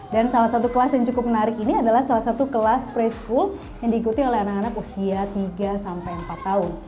dan salah satu kelas yang cukup menarik ini adalah salah satu kelas preschool yang diikuti oleh anak anak usia tiga empat tahun